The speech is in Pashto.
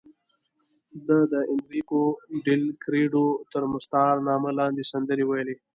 ده د اینریکو ډیلکریډو تر مستعار نامه لاندې سندرې ویلې.